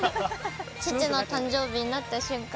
チッチの誕生日になった瞬間